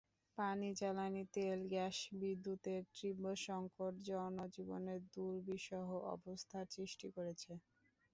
পানি, জ্বালানি তেল, গ্যাস, বিদ্যুতের তীব্র সংকট জনজীবনে দুর্বিষহ অবস্থার সৃষ্টি করেছে।